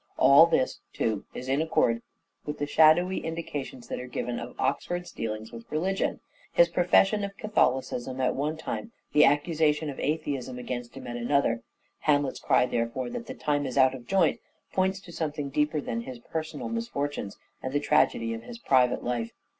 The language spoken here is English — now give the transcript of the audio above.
All this, too, is in accord with the shadowy indications that are given of Oxford's dealings with religion : his profession of Catholicism at one time, the accusation of atheism against him at another. Hamlet's cry, therefore, that " the time is out of joint," points to something deeper than his personal misfortunes, and the tragedy of his private life.